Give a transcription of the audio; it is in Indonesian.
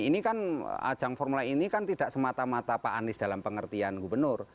ini kan ajang formula e ini kan tidak semata mata pak anies dalam pengertian gubernur